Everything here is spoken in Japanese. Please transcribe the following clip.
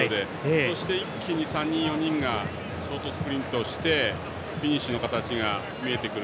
そして、一気に３人、４人がショートスプリントしてフィニッシュの形が見えてくる。